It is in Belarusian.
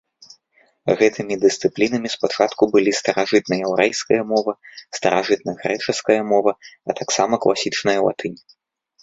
Гэтымі дысцыплінамі спачатку былі старажытнаяўрэйская мова, старажытнагрэчаская мова, а таксама класічная латынь.